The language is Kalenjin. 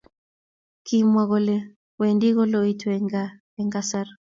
Kimwa kole wendi koloitu eng gaa eng kasar.